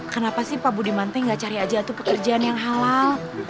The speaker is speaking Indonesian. kenapa sih pak budimantai gak cari aja tuh pekerjaan yang halal